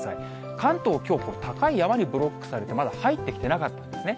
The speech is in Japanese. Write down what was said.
関東、きょう、高い山にブロックされて、まだ入ってきてなかったんですね。